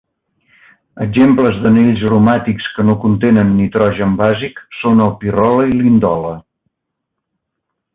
Exemples d'anells aromàtics que no contenen nitrogen bàsic són el pirrole i l'indole.